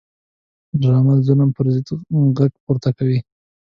ډرامه د ظلم پر ضد غږ پورته کوي